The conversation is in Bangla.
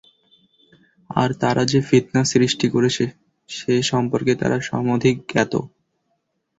আর তারা যে ফিতনা সৃষ্টি করেছে সে সম্পর্কে তারা সমধিক জ্ঞাত।